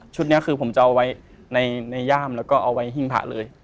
นี้คือผมจะเอาไว้ในย่ามแล้วก็เอาไว้หิ้งพระเลย